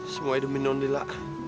semua hidupin nonila